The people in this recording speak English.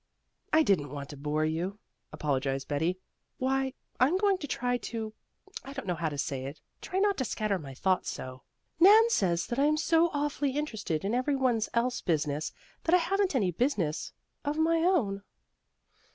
"I didn't want to bore you," apologized Betty. "Why, I'm going to try to I don't know how to say it try not scatter my thoughts so. Nan says that I am so awfully interested in every one's else business that I haven't any business of my own."